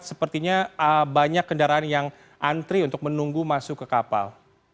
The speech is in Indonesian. sepertinya banyak kendaraan yang antri untuk menunggu masuk ke kapal